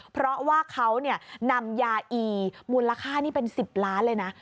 เพราะว่าเขานำยาอีมูลค่านี่เป็น๑๐ล้านเลยนะ